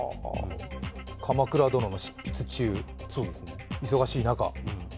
「鎌倉殿」の執筆中、忙しい中。